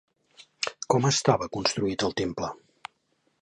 Com estava construït el temple?